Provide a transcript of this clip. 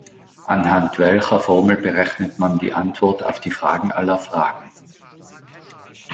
Anhand welcher Formel berechnet man die Antwort auf die Frage aller Fragen?